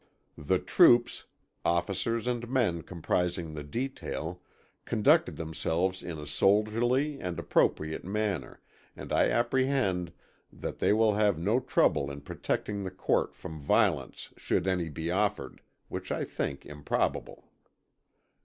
The troops, officers and men comprising the detail, conducted themselves in a soldierly and appropriate manner, and I apprehend that they will have no trouble in protecting the court from violence should any be offered, which I think improbable.